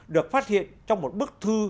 được phát hiện trong một bức thư